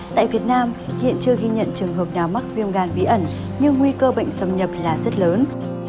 tại việt nam hiện chưa ghi nhận trường hợp nào mắc viêm gan bí ẩn nhưng nguy cơ bệnh xâm nhập là rất lớn